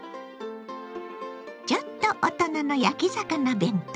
ちょっと大人の焼き魚弁当。